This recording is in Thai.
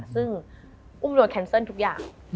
ซึ่งอุ้มโดนแคนเซิลทุกอย่าง